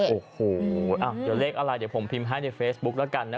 โอ้โหจะเลขอะไรเดี๋ยวผมพิมพ์ให้ในเฟซบุ๊กละกันนะ